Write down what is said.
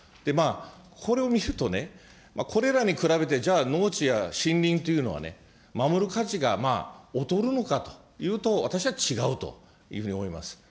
これを見ると、これらに比べて、じゃあ、農地や森林というのはね、守る価値が劣るのかというと、私は違うというふうに思います。